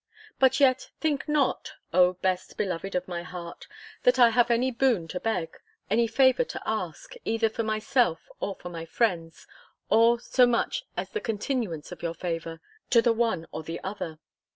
But yet, think not, O best beloved of my heart! that I have any boon to beg, any favour to ask, either for myself or for my friends, or so much as the continuance of your favour, to the one or the other.